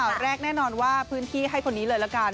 ข่าวแรกแน่นอนว่าพื้นที่ให้คนนี้เลยละกัน